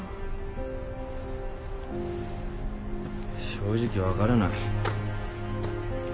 正直分からない。